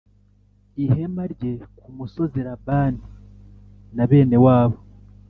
ihema rye ku musozi labani na bene wabo